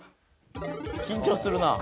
緊張するなあ。